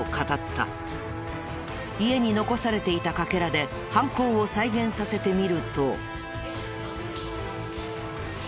家に残されていた欠片で犯行を再現させてみると。